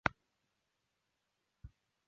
翌日双方达成协议。